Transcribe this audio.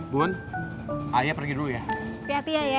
bun ayah pergi dulu ya